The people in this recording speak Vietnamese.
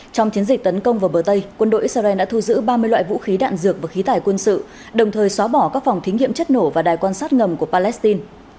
trong chiến dịch tấn công vào bờ tây quân đội israel đã thu giữ ba mươi loại vũ khí đạn dược và khí tải quân sự đồng thời xóa bỏ các phòng thí nghiệm chất nổ và đài quan sát ngầm của palestine